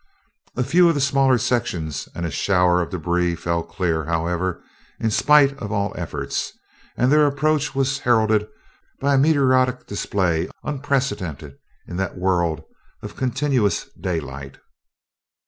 A few of the smaller sections and a shower of debris fell clear, however, in spite of all efforts, and their approach was heralded by a meteoric display unprecedented in that world of continuous daylight.